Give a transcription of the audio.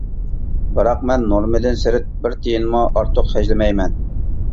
بىراق، مەن نورمىدىن سىرت بىر تىيىنمۇ ئارتۇق خەجلىمەيمەن.